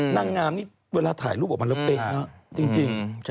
นางงามนี่เวลาถ่ายรูปออกมาแล้วเป๊ะจริง